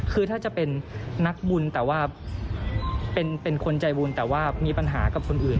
คือถ้าจะเป็นนักบุญแต่ว่าเป็นคนใจบุญแต่ว่ามีปัญหากับคนอื่น